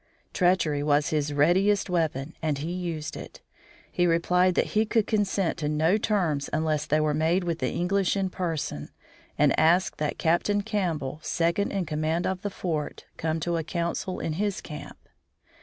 Treachery was his readiest weapon and he used it. He replied that he could consent to no terms unless they were made with the English in person, and asked that Captain Campbell, second in command at the fort, come to a council in his camp.